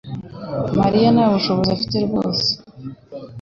mariya nta bushobozi afite rwose